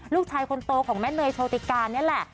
ลูกชายคนโตของแม่เนยโชติการนี่แหละ